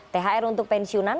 thr untuk pensiunan